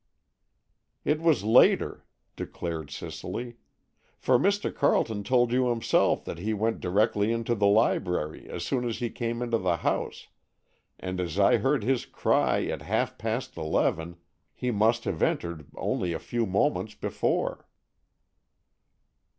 "It was later," declared Cicely. "For Mr. Carleton told you himself that he went directly into the library as soon as he came into the house, and as I heard his cry at half past eleven he must have entered only a few moments before."